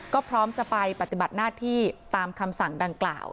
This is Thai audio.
ก็พร้อมจะไปปฏิบัติหน้าที่ตามคำสั่งดังกล่าว